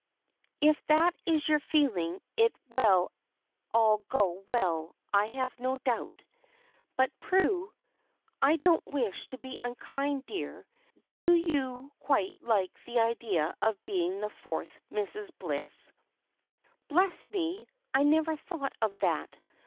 "If that is your feeling it will all go well I have no doubt. But, Prue, I don't wish to be unkind, dear, do you quite like the idea of being the fourth Mrs. Bliss?" "Bless me, I never thought of that!